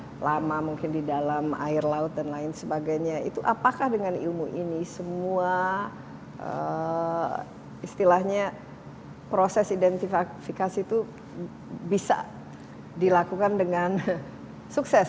dan juga lama mungkin di dalam air laut dan lain sebagainya itu apakah dengan ilmu ini semua istilahnya proses identifikasi itu bisa dilakukan dengan sukses